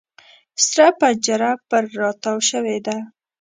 سره پنجره پر را تاو شوې ده.